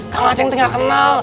kak ngaceng tuh gak kenal